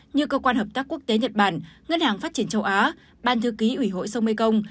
như cơ quan hợp tác quốc tế nhật bản ngân hàng phát triển châu á ban thư ký ủy hội sông mekong